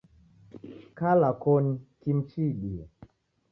Kala koni kimu chiidie.